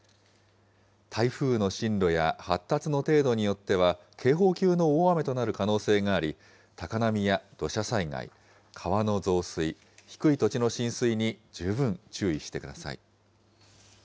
台風の進路や発達の程度によっては、警報級の大雨となる可能性があり、高波や土砂災害、川の増水、低い土地の浸水に十分注意してください。